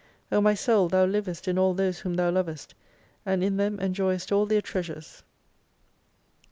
O my Soul thou livest in all those whom thou lovest : and in them enjoyest all their treasures.